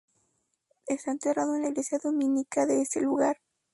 Está enterrado en la iglesia dominica de ese lugar.